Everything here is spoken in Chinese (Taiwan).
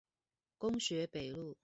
工學北路